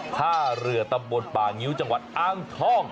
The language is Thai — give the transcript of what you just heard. ท่าเรือตำบลป่างิ้วจังหวัดอ้างทอง